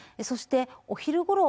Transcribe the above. そしてお昼頃